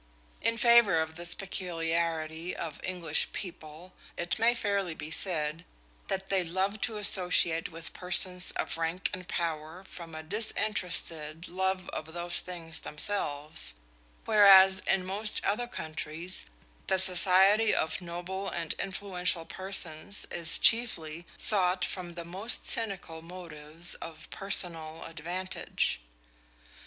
In favor of this peculiarity of English people it may fairly be said that they love to associate with persons of rank and power from a disinterested love of those things themselves, whereas in most other countries the society of noble and influential persons is chiefly sought from the most cynical motives of personal advantage.